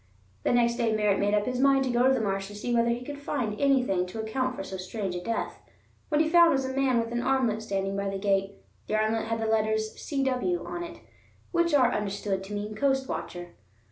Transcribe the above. The next day Merritt made up his mind to go to the marsh to see whether he could find anything to account for so strange a death. What he found was a man with an armlet standing by the gate. The armlet had the letters "C.W." on it, which are understood to mean Coast Watcher.